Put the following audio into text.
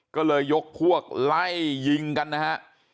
ก็เลยยกพวกไล่ยิงกันนะฮะ